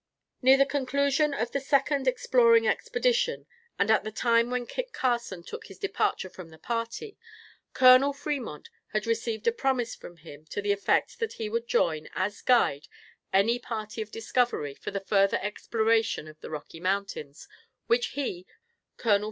Near the conclusion of the second exploring expedition, and at the time when Kit Carson took his departure from the party, Col. Fremont had received a promise from him to the effect that he would join, as guide, any party of discovery, for the further exploration of the Rocky Mountains, which he, Col.